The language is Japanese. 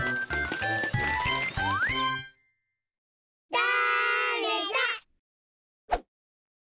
だれだ？